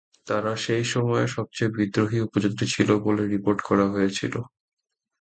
তারা সেই সময়ে সবচেয়ে বিদ্রোহী উপজাতি ছিল বলে রিপোর্ট করা হয়েছিল।